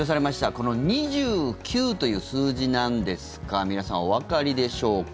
この２９という数字なんですが皆さん、おわかりでしょうか。